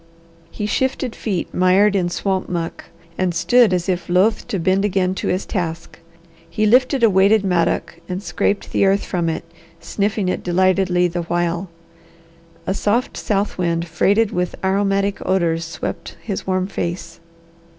He shifted feet mired in swamp muck, and stood as if loath to bend again to his task. He lifted a weighted mattock and scraped the earth from it, sniffing it delightedly the while. A soft south wind freighted with aromatic odours swept his warm face.